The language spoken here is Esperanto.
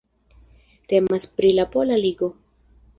Temas pri la Pola Ligo.